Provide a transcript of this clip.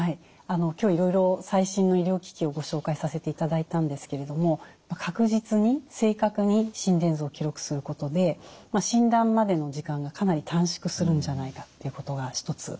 今日いろいろ最新の医療機器をご紹介させていただいたんですけれども確実に正確に心電図を記録することで診断までの時間がかなり短縮するんじゃないかということが一つ。